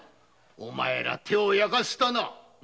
お前ら手を焼かしたな。